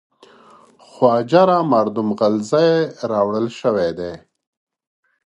خواجه را مردم غلزی راوړل شوی دی.